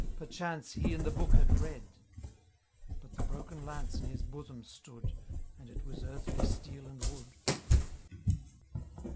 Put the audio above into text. Perchance he in the Book had read ; But the broken lance in his bosom stood. And it was earthly steel and wood.